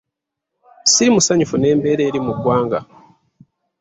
Siri musanyufu n'embeera eri mu ggwanga.